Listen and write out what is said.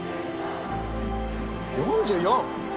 ４４！